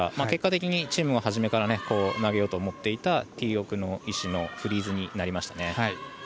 結果的にチームが初めから投げようと思っていたティー奥の石のフリーズになりました。